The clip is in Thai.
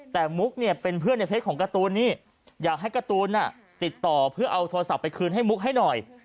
แต่มุกเนี่ยเป็นเพื่อนในเฟสของการ์ตูนนี่อยากให้การ์ตูนติดต่อเพื่อเอาโทรศัพท์ไปคืนให้มุกให้หน่อย